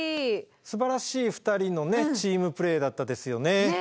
すばらしい２人のチームプレーだったですよね。